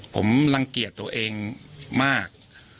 ผมรังเกียจตัวเองมาก